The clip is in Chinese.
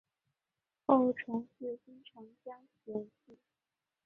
后崇祀新城乡贤祠。